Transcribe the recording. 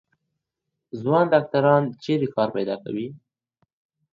ځوان ډاکټران چيري کار پیدا کوي؟